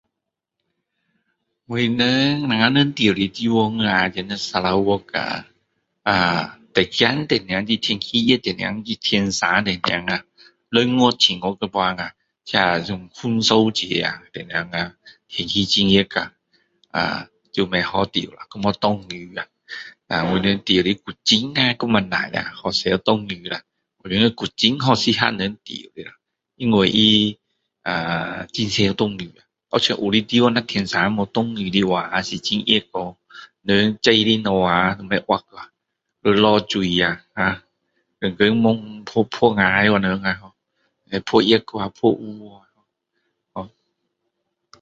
我们，人家住的地方啊，这边sarawak 啊，最怕点钟就是天热的点钟天晒点钟啊，六月七月的时候啊，那丰收节点钟啊，天气很热啊，都不好住，都没下雨啊，【dan】我们住的古晋【leh】都不错【leh】很常下雨【leh】，我觉得古晋【leh】很合人住，因为他很常下雨，好像有些地方【na】天晒没下雨的话是很热哦，人种的物啊都不活啊，要落水啊，天天晒晒坏【wu】，晒热【wu】啊，晒黑【wu】